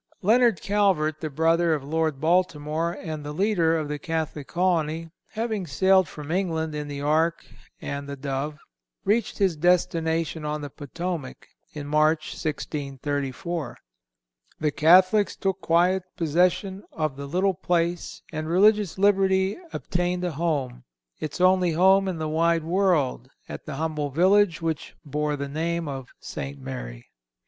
Leonard Calvert, the brother of Lord Baltimore and the leader of the Catholic colony, having sailed from England in the Ark and the Dove, reached his destination on the Potomac in March, 1634. "The Catholics took quiet possession of the little place, and religious liberty obtained a home, its only home in the wide world, at the humble village which bore the name of St. Mary."